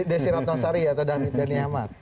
desirat nasari atau dhani ahmad